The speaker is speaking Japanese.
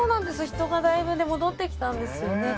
人がだいぶね戻ってきたんですよね。